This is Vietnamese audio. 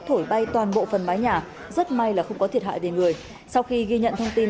thổi bay toàn bộ phần mái nhà rất may là không có thiệt hại về người sau khi ghi nhận thông tin